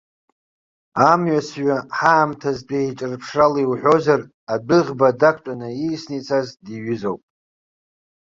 Амҩасҩы, ҳаамҭазтәи еиҿырԥшрала иуҳәозар, адәыӷба дақәтәаны ииасны ицаз диҩызоуп.